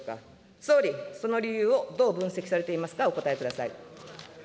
総理、その理由をどう分析されていますか、お答えください。